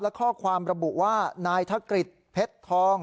และข้อความระบุว่านายธกฤษเพชรทอง